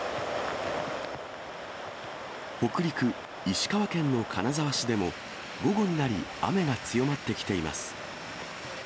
北陸・石川県の金沢市でも、午後になり雨が強まってきています。